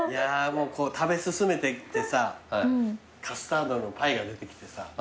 もう食べ進めてってさカスタードのパイが出てきてさ